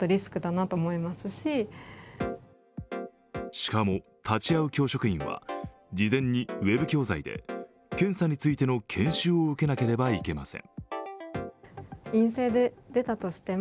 しかも立ち会う教職員は事前にウェブ教材で検査についての研修を受けなければいけません。